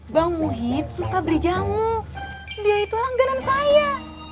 bang muhid suka beli jamu dia itu langganan saya